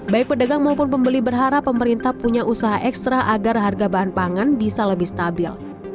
baik pedagang maupun pembeli berharap pemerintah punya usaha ekstra agar harga bahan pangan bisa lebih stabil